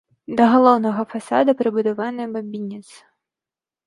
Да галоўнага фасада прыбудаваны бабінец.